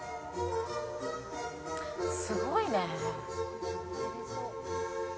すごいね。